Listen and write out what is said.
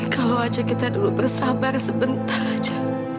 kalau aja kita dulu bersabar sebentar aja